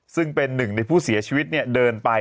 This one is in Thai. ซึ่งเป็นหนึ่งในผู้เสียชีวิตเดินไป